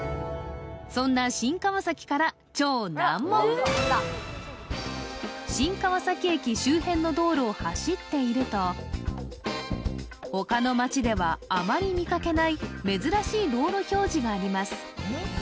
そんな新川崎から新川崎駅周辺の道路を走っていると他の街ではあまり見かけない珍しい道路表示があります